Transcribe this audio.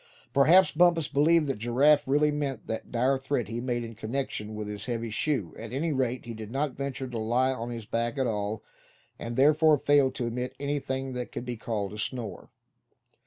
Perhaps Bumpus believed that Giraffe really meant that dire threat he made in connection with his heavy shoe; at any rate he did not venture to lie on his back at all, and therefore failed to emit anything that could be called a snore.